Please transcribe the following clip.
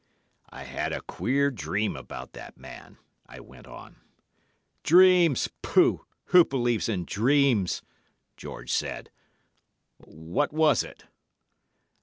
"'I had a queer dream about that man,' I went on. "'Dreams! Pooh! Who believes in dreams!' George said. 'What was it?